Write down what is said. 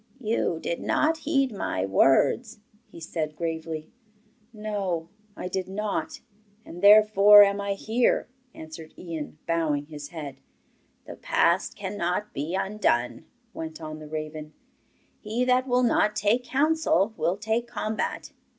'You did not heed my words,' he said gravely. 'No, I did not, and therefore am I here,' answered Ian, bowing his head. 'The past cannot be undone,' went on the raven. 'He that will not take counsel will take combat.